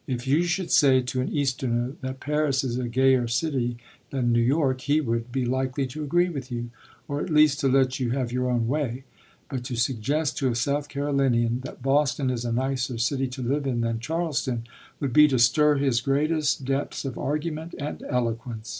If you should say to an Easterner that Paris is a gayer city than New York, he would be likely to agree with you, or at least to let you have your own way; but to suggest to a South Carolinian that Boston is a nicer city to live in than Charleston would be to stir his greatest depths of argument and eloquence.